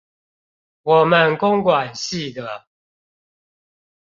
我們工管系的